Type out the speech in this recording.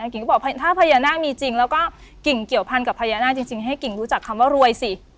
กิ่งก็บอกถ้าพญานาคมีจริงแล้วก็กิ่งเกี่ยวพันกับพญานาคจริงให้กิ่งรู้จักคำว่ารวยสิ